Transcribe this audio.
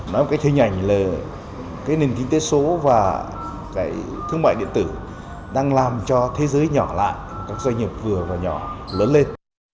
nói một cái hình ảnh là cái nền kinh tế số và cái thương mại điện tử đang làm cho thế giới nhỏ lại các doanh nghiệp vừa và nhỏ lớn lên